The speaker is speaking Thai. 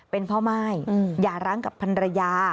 เป็นพ่อม่ายอย่าร้างกับพันรยา